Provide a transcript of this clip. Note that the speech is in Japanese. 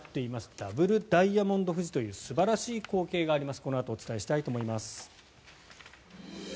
ダブルダイヤモンド富士という素晴らしい光景があります。